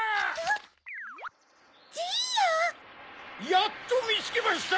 やっとみつけました！